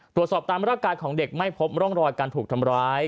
ตรวจสอบตามรากาศของเด็กไม่พบร่องรอยการถูกทำร้าย